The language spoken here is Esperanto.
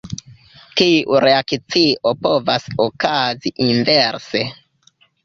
Tiu reakcio povas okazi inverse.